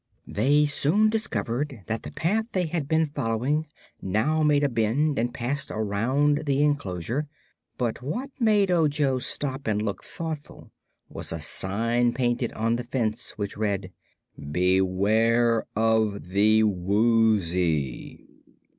They soon discovered that the path they had been following now made a bend and passed around the enclosure, but what made Ojo stop and look thoughtful was a sign painted on the fence which read: "BEWARE OF THE WOOZY!"